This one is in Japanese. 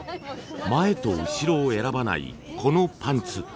前と後ろを選ばないこのパンツ。